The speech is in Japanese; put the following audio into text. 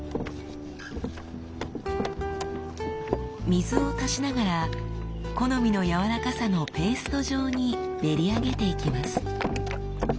水を足しながら好みの軟らかさのペースト状に練り上げていきます。